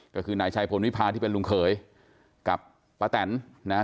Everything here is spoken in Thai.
ก็คือนายชัยพลวิพาที่เป็นลุงเขยกับป้าแตนนะฮะ